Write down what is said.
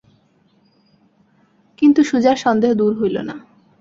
কিন্তু সুজার সন্দেহ দূর হইল না।